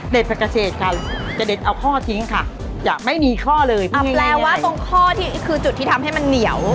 ผักเกษตรค่ะจะเด็ดเอาข้อทิ้งค่ะจะไม่มีข้อเลยอ่าแปลว่าตรงข้อที่คือจุดที่ทำให้มันเหนียว